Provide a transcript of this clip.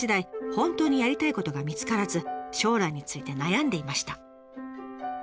本当にやりたいことが見つからず将来について悩んでいました。